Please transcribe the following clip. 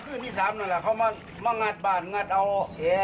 อ๋อของพี่ก็มีใช่ไหมอ๋อของพี่ก็มีใช่ไหม